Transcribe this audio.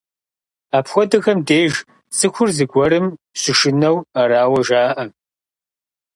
Апхуэдэхэм деж цӀыхур зыгуэрым щышынэу арауэ жаӀэ.